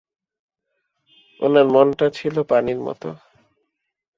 উনার মনটা ছিল পানির মতো।